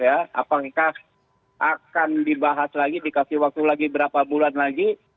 apakah akan dibahas lagi dikasih waktu lagi berapa bulan lagi